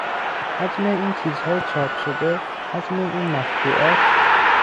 حجم این چیزهای چاپ شده، حجم این مطبوعات